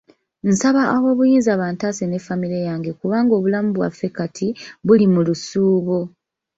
Nsaba aboobuyinza bantaase ne ffamire yange kubanga obulamu bwaffe kati buli mu lusuubo.